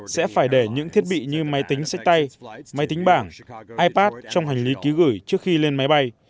sẽ phải để những thiết bị như máy tính sách tay máy tính bảng ipad trong hành lý ký gửi trước khi lên máy bay